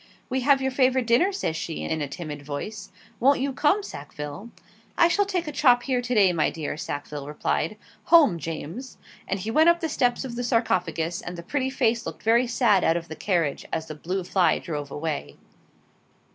'We have your favourite dinner,' says she, in a timid voice; 'won't you come, Sackville?' 'I shall take a chop here to day, my dear,' Sackville replied. 'Home, James.' And he went up the steps of the 'Sarcophagus,' and the pretty face looked very sad out of the carriage, as the blue fly drove away.